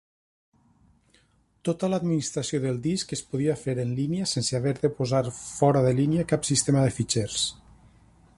Tota l'administració del disc es podia fer en línia sense haver de posar fora de línia cap sistema de fitxers.